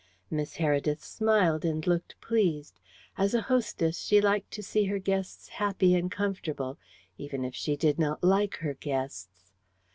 Miss Heredith smiled and looked pleased. As a hostess, she liked to see her guests happy and comfortable, even if she did not like her guests.